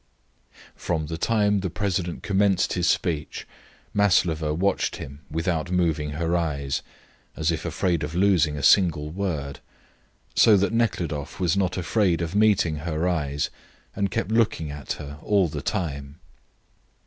From the time the president commenced his speech, Maslova watched him without moving her eyes as if afraid of losing a single word; so that Nekhludoff was not afraid of meeting her eyes and kept looking at her all the time.